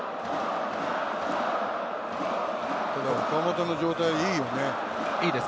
岡本の状態いいよね。